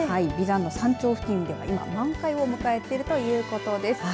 眉山の山頂付近では今満開を迎えているということです。